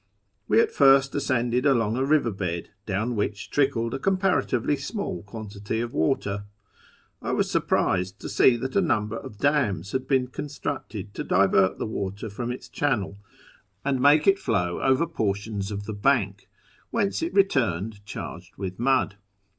We at first ascended along a river bed, down which trickled a comparatively small quantity of water. I was surprised to see that a number of dams had been constructed to divert the water from its channel and make it flow over portions of tlie bank, whence it returned charged with mud.